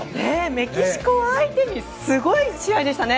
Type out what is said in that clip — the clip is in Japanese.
メキシコを相手にすごい試合でしたね。